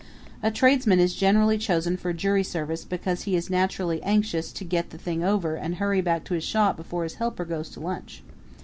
A tradesman is generally chosen for jury service because he is naturally anxious to get the thing over and hurry back to his shop before his helper goes to lunch.